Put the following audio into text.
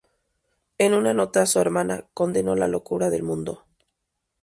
En una nota a su hermana, condenó la locura del mundo.